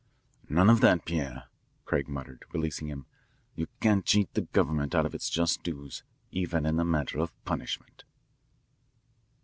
"None of that, Pierre," Craig muttered, releasing him. "You can't cheat the government out of its just dues even in the matter of punishment."